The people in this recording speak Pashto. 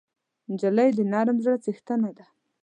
نجلۍ د نرم زړه څښتنه ده.